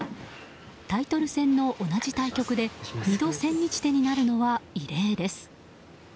タイトル戦の同じ対局で２度千日手となるのは異例です。